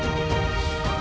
nah ini sudah hilang